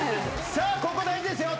さあここ大事ですよ。